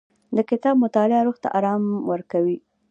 د کتاب مطالعه روح ته ارام ورکوي.